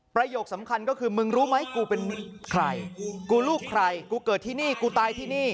สำคัญก็คือมึงรู้ไหมกูเป็นใครกูลูกใครกูเกิดที่นี่กูตายที่นี่